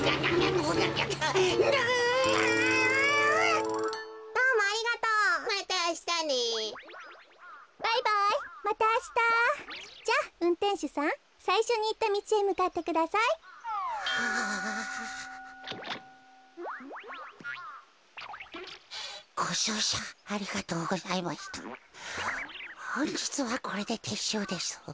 ほんじつはこれでてっしゅうです。